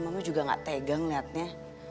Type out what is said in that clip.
mama juga gak tegang lihatnya